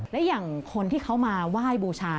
และอย่างคนที่เขามาไหว้บูชา